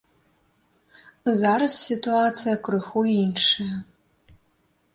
Зараз сітуацыя крыху іншая.